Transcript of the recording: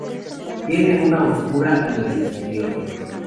Tiene una oscura en el exterior.